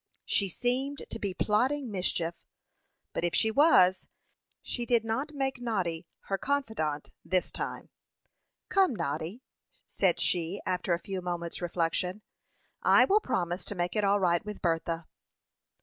She seemed to be plotting mischief; but if she was, she did not make Noddy her confidant this time. "Come, Noddy," said she, after a few moments' reflection, "I will promise to make it all right with Bertha."